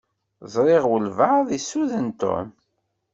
Ẓṛiɣ walebɛaḍ issuden Tom.